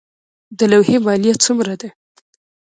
د لوحې مالیه څومره ده؟